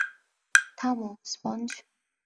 থামো, স্পঞ্জ।